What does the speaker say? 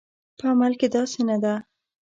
په عمل کې داسې نه ده